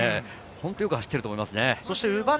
本当によく走っていると思います。